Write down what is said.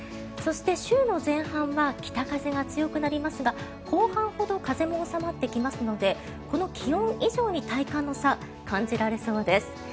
そして週の前半は北風が強くなりますが後半ほど風も収まってきますのでこの気温以上に体感の差が感じされそうです。